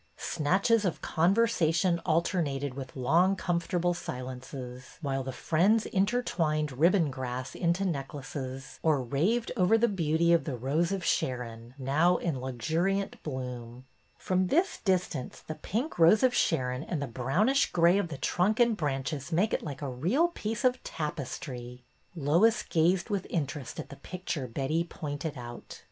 Snatches of conversation alternated with long, comfortable silences, while the friends in tertwined ribbon grass into necklaces or raved over the beauty of the Rose of Sharon, now in luxuriant bloom. '' From this distance the pink of the Rose of Sharon and the brownish gray of the trunk and branches make it like a real piece of tapestry." Lois gazed with interest at the picture Betty pointed out.